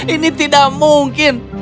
ini tidak mungkin